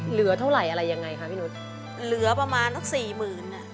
เหลือเท่าไหร่อะไรยังไงคะพี่นุษย์เหลือประมาณสักสี่หมื่นอ่ะ